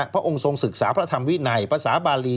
พระองค์ทรงศึกษาพระธรรมวินัยภาษาบาลี